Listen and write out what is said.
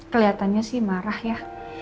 keliatannya sih marah ya